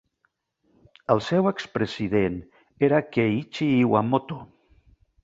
El seu expresident era Keiichi Iwamoto.